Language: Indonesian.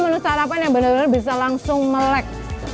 menurut sarapan yang bener bener bisa langsung melek